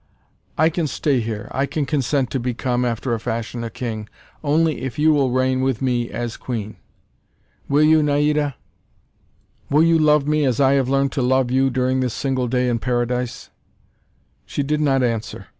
"I can stay here, I can consent to become, after a fashion, a King, only if you will reign with me as Queen. Will you, Naida? Will you love me as I have learned to love you during this single day in Paradise?" She did not answer.